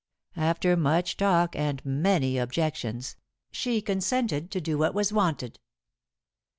After much talk and many objections, she consented to do what was wanted.